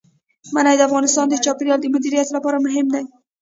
منی د افغانستان د چاپیریال د مدیریت لپاره مهم دي.